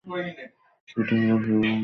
সেটা হবে প্রহসন।